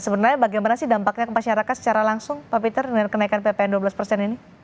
sebenarnya bagaimana sih dampaknya ke masyarakat secara langsung pak peter dengan kenaikan ppn dua belas persen ini